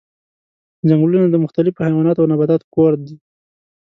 ځنګلونه د مختلفو حیواناتو او نباتاتو کور دي.